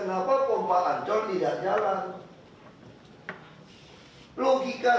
nah kau masih jauh pertanyaan saya